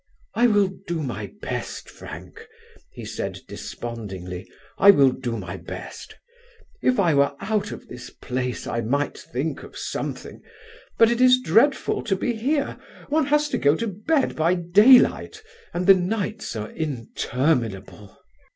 "I will do my best, Frank," he said despondingly, "I will do my best. If I were out of this place, I might think of something, but it is dreadful to be here. One has to go to bed by daylight and the nights are interminable."